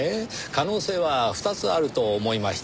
可能性は２つあると思いました。